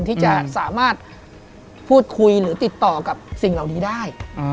ที่จะสามารถพูดคุยหรือติดต่อกับสิ่งเหล่านี้ได้